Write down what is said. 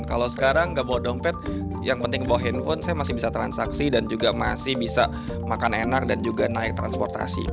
kalau sekarang nggak bawa dompet yang penting bawa handphone saya masih bisa transaksi dan juga masih bisa makan enak dan juga naik transportasi